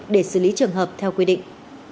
để xử lý trường hợp theo quy định